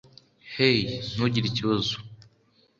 hey, ntugire ikibazo